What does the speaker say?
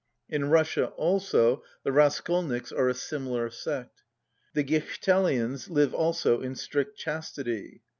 In Russia also the Raskolniks are a similar sect. The Gichtelians live also in strict chastity.